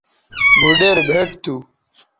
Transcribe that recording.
بھوڈیر بھئٹ تھو